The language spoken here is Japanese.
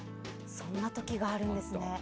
そんな時があるんですね。